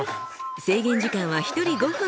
制限時間は一人５分。